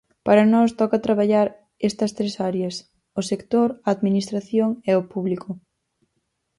Para nós, toca traballar estas tres áreas: o sector, a administración e o público.